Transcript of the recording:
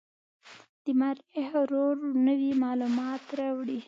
د مریخ روور نوې معلومات راوړي.